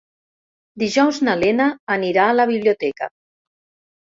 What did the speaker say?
Dijous na Lena anirà a la biblioteca.